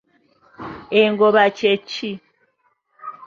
Engoba kye ki?